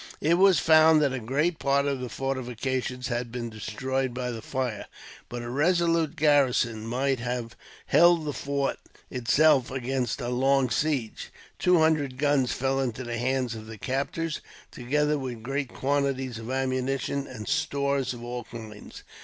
It was found that a great part of the fortifications had been destroyed by the fire, but a resolute garrison might have held the fort, itself, against a long siege. Two hundred guns fell into the hands of the captors, together with great quantities of ammunition, and stores of all kinds.